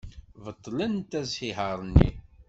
Beṭlent asihaṛ-nni.